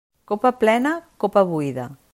Copa plena, copa buida.